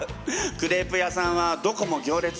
クレープ屋さんはどこも行列。